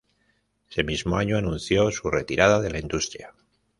Ese mismo año anunció su retirada de la industria.